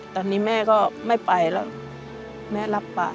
ตอนนี้แม่ก็ไม่ไปแล้วแม่รับปาก